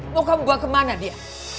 mau kamu bawa kemana dia